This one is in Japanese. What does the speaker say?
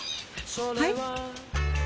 はい？